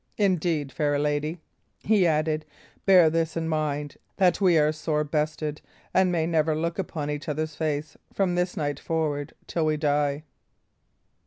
Indeed, fair lady," he added, "bear this in mind, that we are sore bested, and may never look upon each other's face from this night forward till we die."